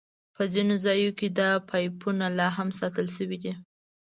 په ځینو ځایونو کې دا پایپونه لاهم ساتل شوي دي.